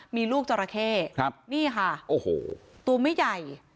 มีลูกจรเขนี่ค่ะตัวไม่ใหญ่